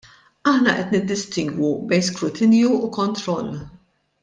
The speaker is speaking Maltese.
Aħna qed niddistingwu bejn skrutinju u kontroll.